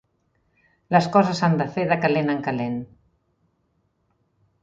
Les coses s'han de fer de calent en calent!